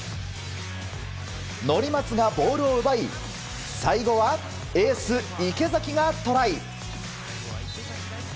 乗松がボールを奪い最後はエース、池崎がトライ。